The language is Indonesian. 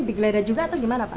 digeledah juga atau gimana pak